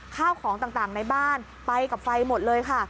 ข้าวของต่างในบ้านไปกับไฟหมดเลยค่ะ